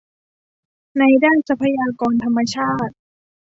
ในด้านทรัพยากรธรรมชาติ